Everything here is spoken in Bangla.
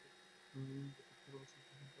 গোত্রে তার অবস্থান কেমন তাও জানানো হয়।